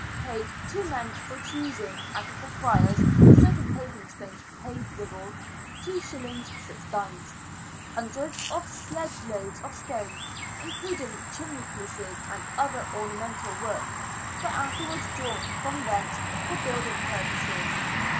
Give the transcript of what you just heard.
" Paid two men for choosing out of the Friars certain paving stones to pave withal, 2s. 6d." Hundreds of sledge loads of stone, including chimney pieces and other ornamental work were afterwards drawn from thence for building purposes.